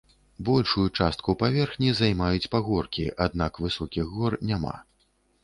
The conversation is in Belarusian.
Большую частку паверхні займаюць пагоркі, аднак высокіх гор няма.